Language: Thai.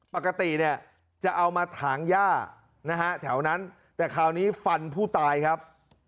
ปกติเนี่ยจะเอามาถางย่านะฮะแถวนั้นแต่คราวนี้ฟันผู้ตายครับ